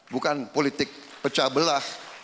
bukan politik pecah belah